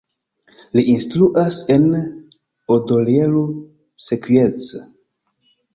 Li instruas en Odorheiu Secuiesc.